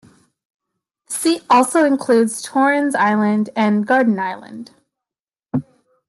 The seat also includes Torrens Island and Garden Island.